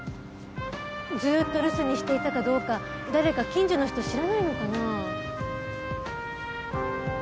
ずっと留守にしていたかどうか誰か近所の人知らないのかな？